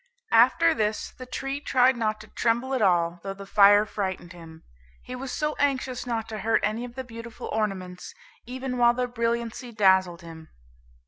After this, the tree tried not to tremble at all, though the fire frightened him; he was so anxious not to hurt any of the beautiful ornaments, even while their brilliancy dazzled him.